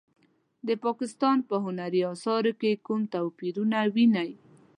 د افغانستان په هنري اثارو کې کوم توپیرونه وینئ؟